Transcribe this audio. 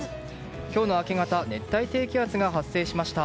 今日の明け方熱帯低気圧が発生しました。